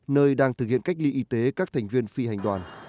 nơi đang thực hiện cách ly y tế các thành viên phi hành đoàn